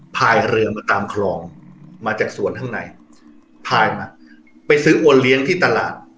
พายเรือมาตามคลองมาจากสวนข้างในพายมาไปซื้อโอเลี้ยงที่ตลาด